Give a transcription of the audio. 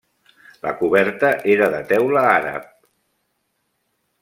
La coberta era de teula àrab.